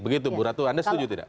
begitu bu ratu anda setuju tidak